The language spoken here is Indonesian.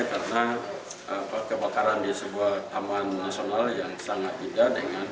karena kebakaran di sebuah taman nasional yang sangat tidak dengan